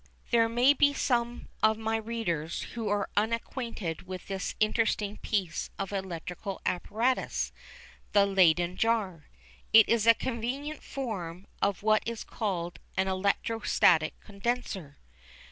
There may be some of my readers who are unacquainted with this interesting piece of electrical apparatus the Leyden jar. It is a convenient form of what is called an electrostatic condenser.